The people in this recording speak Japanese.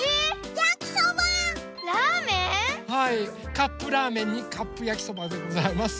カップラーメンにカップやきそばでございます。